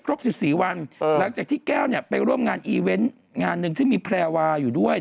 ออกมาแสวว่าเอาเป็นหนึ่งในนั้นหรือเปล่า